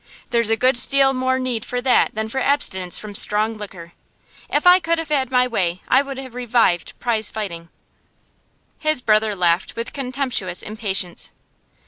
There's a good deal more need for that than for abstinence from strong liquor. If I could have had my way I would have revived prize fighting.' His brother laughed with contemptuous impatience.